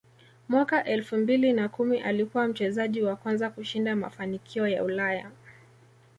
Mwaka elfu mbili na kumi alikuwa mchezaji wa kwanza kushinda mafanikio ya Ulaya